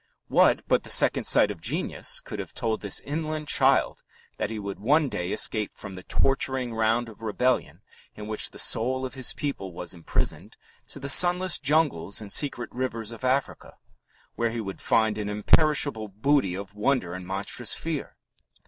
What but the second sight of genius could have told this inland child that he would one day escape from the torturing round of rebellion in which the soul of his people was imprisoned to the sunless jungles and secret rivers of Africa, where he would find an imperishable booty of wonder and monstrous fear?